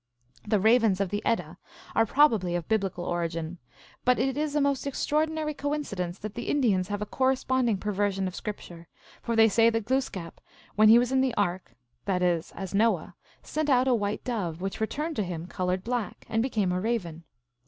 The ravens of the Edda are probably of biblical origin. But it is a most extraordinary coincidence that the Indians have a corresponding perversion of Scripture, for they say that Glooskap, when he was in GLOOSKAP THE DIVINITY. 27 the ark, that is as Noah, sent out a white dove, which returned to him colored black, and became a raven.